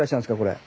これ。